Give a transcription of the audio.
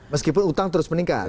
meskipun utang terus meningkat